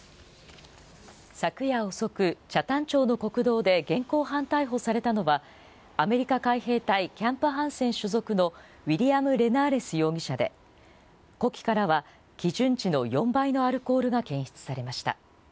昨夜遅く、北谷町の国道で現行犯逮捕されたのは、アメリカ海兵隊キャンプ・ハンセン所属のウィリアム・レナーレス容疑者で、呼気からは基準値の４倍のアルコールが検出されました。